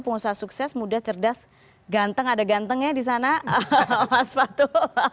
pengusaha sukses muda cerdas ganteng ada gantengnya di sana mas fatu